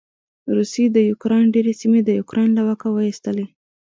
روسې د يوکراین ډېرې سېمې د یوکراين له واکه واېستلې.